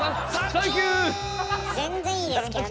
全然いいですけどね。